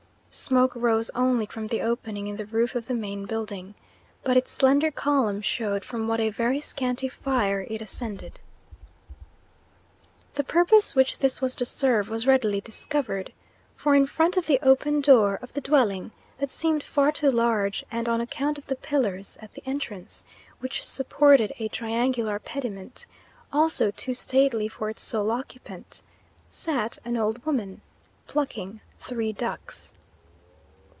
Smoke rose only from the opening in the roof of the main building, but its slender column showed from what a very scanty fire it ascended. The purpose which this was to serve was readily discovered, for in front of the open door of the dwelling, that seemed far too large and on account of the pillars at the entrance, which supported a triangular pediment also too stately for its sole occupant, sat an old woman, plucking three ducks.